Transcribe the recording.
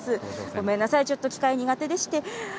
ごめんなさい、ちょっと機械苦手でして。